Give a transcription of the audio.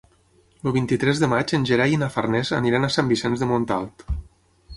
El vint-i-tres de maig en Gerai i na Farners aniran a Sant Vicenç de Montalt.